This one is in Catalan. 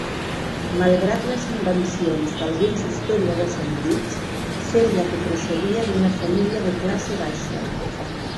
Malgrat les invencions d'alguns historiadors antics, sembla que procedia d'una família de classe baixa.